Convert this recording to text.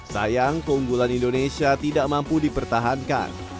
sayang keunggulan indonesia tidak mampu dipertahankan